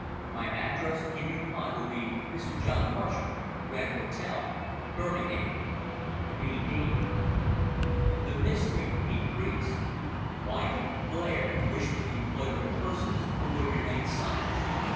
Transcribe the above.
My address in reply will be Mr. John Marshall, Grand Hotel, Birmingham_. "B.B." The mystery increased. Why did Blair wish for the employment of persons who would remain silent?